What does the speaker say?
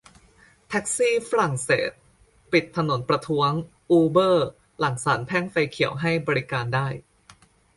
แท็กซี่ฝรั่งเศสปิดถนนประท้วง "อูเบอร์" หลังศาลแพ่งไฟเขียวให้บริการได้